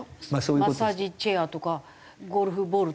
マッサージチェアとかゴルフボールとか買った。